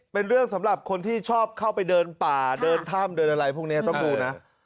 เป็นเรื่องสำหรับคนที่ชอบเข้าไปเดินป่าเดินถ้ำเดินอะไรพวกนี้ต้องดูนะ